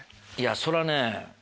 それはね